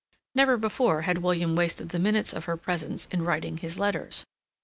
Never before had William wasted the minutes of her presence in writing his letters.